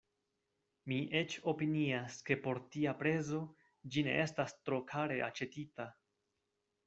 Mi eĉ opinias, ke por tia prezo ĝi ne estas tro kare aĉetita.